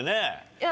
いや。